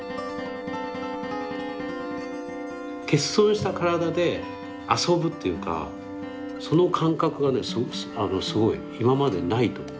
欠損した身体で遊ぶというかその感覚がすごい今までにないと思うそれは。